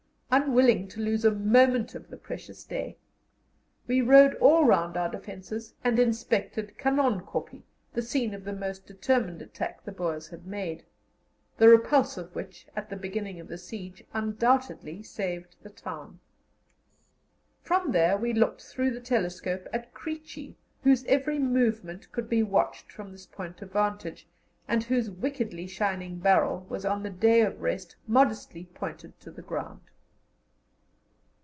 unwilling to lose a moment of the precious day. We rode all round our defences, and inspected Canon Kopje, the scene of the most determined attack the Boers had made, the repulse of which, at the beginning of the siege, undoubtedly saved the town. From there we looked through the telescope at "Creechy," whose every movement could be watched from this point of vantage, and whose wickedly shining barrel was on the "day of rest" modestly pointed to the ground.